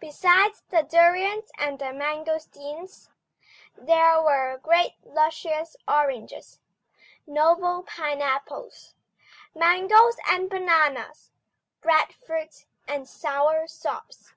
Besides the durions and the mangosteens, there were great luscious oranges, noble pineapples, mangoes and bananas, breadfruit and sour sops.